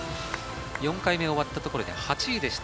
４回目を終えたところで８位でした。